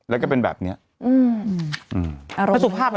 อารมณ์สุภาพเป็นใคร